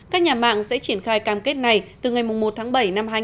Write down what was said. các nhà mạng sẽ triển khai cam kết này từ ngày một tháng bảy năm hai nghìn hai mươi